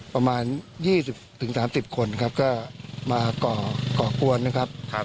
ประมาณ๒๐๓๐คนก็มาเกราะกวนนะครับ